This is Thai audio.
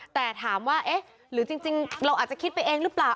แต่ถามว่าเอ๊ะหรือจริงเราอาจจะคิดไปเองหรือเปล่า